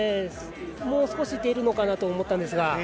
もう少し出るのかなと思ったんですが。